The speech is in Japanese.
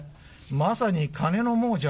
まさに金の亡者。